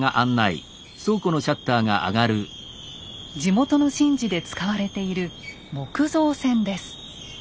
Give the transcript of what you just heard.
地元の神事で使われている木造船です。